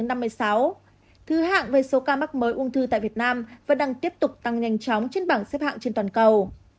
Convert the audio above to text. thứ hạng về số ca mắc mới ung thư tại việt nam vẫn đang tiếp tục tăng nhanh chóng trên bảng xếp hạng trên toàn cầu